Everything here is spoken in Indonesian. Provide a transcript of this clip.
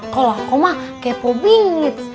kalau saya mah kepo bingits